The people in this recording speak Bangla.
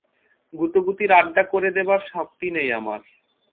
গুঁতোগুঁতির আড্ডা করে দেবার শক্তি আমার নাই।